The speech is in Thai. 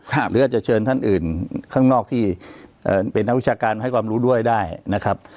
หรืออาจจะเชิญท่านอื่นข้างนอกที่เป็นนักวิชาการให้ความรู้ด้วยได้นะครับ